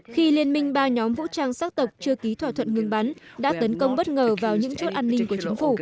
khi liên minh ba nhóm vũ trang sắc tộc chưa ký thỏa thuận ngừng bắn đã tấn công bất ngờ vào những chốt an ninh của chính phủ